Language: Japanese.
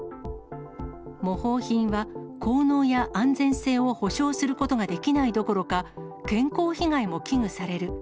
模倣品は、効能や安全性を保証することができないどころか、健康被害も危惧される。